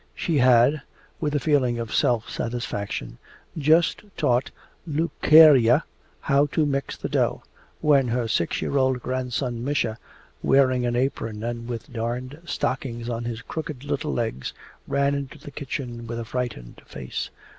She had with a feeling of self satisfaction just taught Lukerya how to mix the dough, when her six year old grandson Misha, wearing an apron and with darned stockings on his crooked little legs, ran into the kitchen with a frightened face.